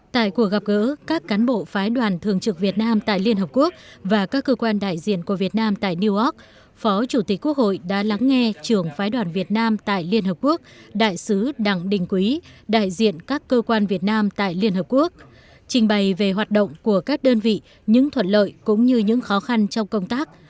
tại cuộc gặp gỡ các cán bộ phái đoàn thường trực việt nam tại liên hợp quốc và các cơ quan đại diện của việt nam tại new york phó chủ tịch quốc hội đã lắng nghe trưởng phái đoàn việt nam tại liên hợp quốc đại sứ đặng đình quý đại diện các cơ quan việt nam tại liên hợp quốc trình bày về hoạt động của các đơn vị những thuận lợi cũng như những khó khăn trong công tác